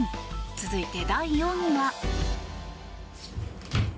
続いて、第４位は。